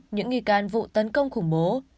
những nghi can vụ tấn công khủng bố